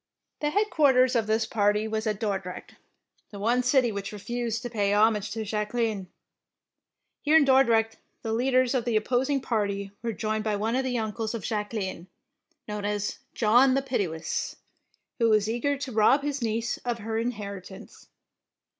The headquarters of this party was at Dordrecht, the one city which re fused to pay homage to Jacqueline. Here in Dordrecht the leaders of the opposing party were joined by one of the uncles of Jacqueline, known as ''John the Pitiless,'' who was eager to rob his niece of her inheritance.